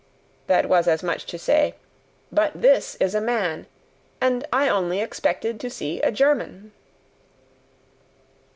that was as much as to say "But this is a MAN! And I only expected to see a German!"